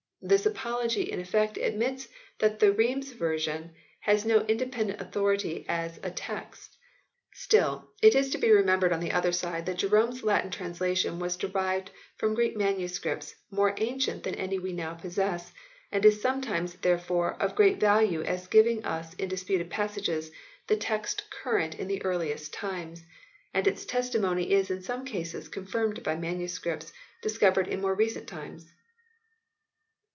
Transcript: This apology in effect admits that the Rheims version has no independent authority as a text. Still it is to be remembered on the other side that Jerome s Latin translation was derived from Greek MSS. more ancient than any we now possess, and is sometimes, therefore, of great value as giving us in disputed passages the text current in the earliest times, and its testimony is in some cases confirmed by MSS. dis covered in more recent times.